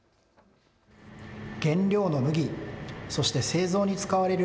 原料の麦、そして製造に使われる